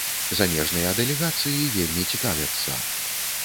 Замежныя дэлегацыі вельмі цікавяцца.